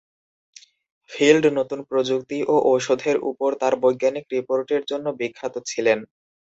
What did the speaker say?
Field নতুন প্রযুক্তি ও ঔষধের উপর তার বৈজ্ঞানিক রিপোর্টের জন্য বিখ্যাত ছিলেন।